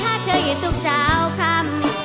เธออยู่ทุกเช้าคำ